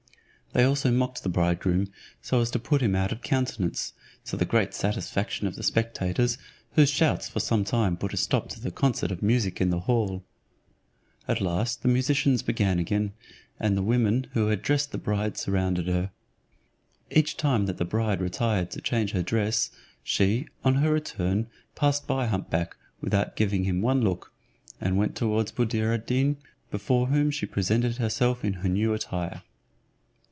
They also mocked the bridegroom, so as to put him out of countenance, to the great satisfaction of the spectators, whose shouts for some time put a stop to the concert of music in the hall. At last the musicians began again, and the women who had dressed the bride surrounded her. Each time that the bride retired to change her dress, she on her return passed by hump back without giving him one look, and went towards Buddir ad Deen, before whom she presented herself in her new attire.